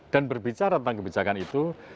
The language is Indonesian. dan berbicara tentang kebijakan itu